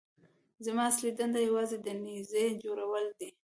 زما اصلي دنده یوازې د نيزې جوړول دي.